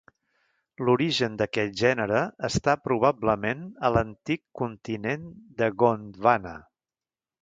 L'origen d'aquest gènere està probablement a l'antic continent de Gondwana.